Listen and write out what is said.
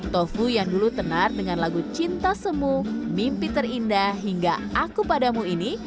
tofu yang dulu tenar dengan lagu cinta semu mimpi terindah hingga aku padamu ini